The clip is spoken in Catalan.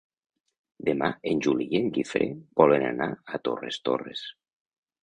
Demà en Juli i en Guifré volen anar a Torres Torres.